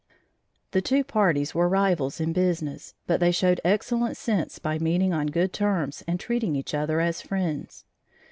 The two parties were rivals in business, but they showed excellent sense by meeting on good terms and treating each other as friends.